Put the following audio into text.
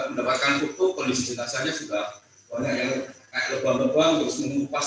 juga mendapatkan foto kondisi jenazahnya sudah banyak yang kayak lubang lubang terus mengupas